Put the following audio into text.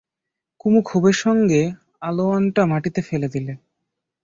কুমু ক্ষোভের সঙ্গে আলোয়ানটা মাটিতে ফেলে দিলে।